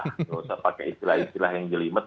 tidak usah pakai istilah istilah yang jelimet